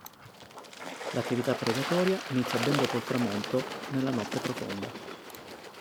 L'attività predatoria inizia ben dopo il tramonto nella notte profonda.